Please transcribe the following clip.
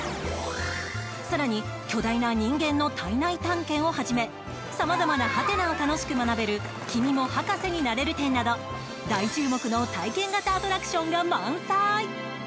更に巨大な人間の体内探検をはじめ様々なハテナを楽しく学べる君も博士になれる展など大注目の体験型アトラクションが満載。